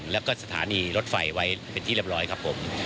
แล้วก็สถานีรถไฟไว้เป็นที่เรียบร้อยครับผม